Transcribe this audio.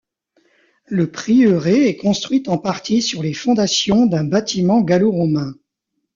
Le prieuré est construit en partie sur les fondations d'un bâtiment gallo-romain.